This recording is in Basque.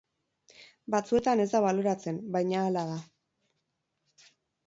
Batzuetan ez da baloratzen, baina hala da.